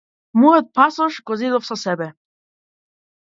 Мојот пасош го зедов со себе.